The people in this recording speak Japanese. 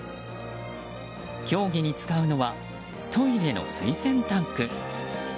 競技に使うのはトイレの水洗タンク。